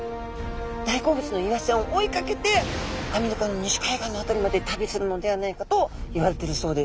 大好物のイワシちゃんを追いかけてアメリカの西海岸の辺りまで旅するのではないかといわれてるそうです。